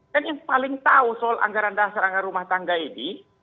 kan yang paling tahu soal anggaran dasar anggaran rumah tangga ini